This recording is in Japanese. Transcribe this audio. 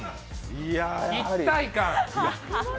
一体感。